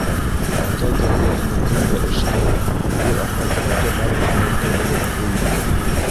Атай тәрбиәһендә көн дә эштә, ир-атҡа кәрәкле барлыҡ һөнәрҙе белеп буй еткерҙек.